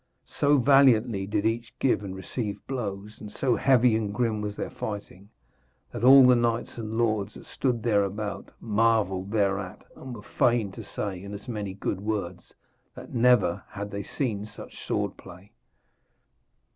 So valiantly did each give and receive blows, and so heavy and grim was their fighting, that all the knights and lords that stood thereabout marvelled thereat and were fain to say, in as many good words, that never had they seen such sword play.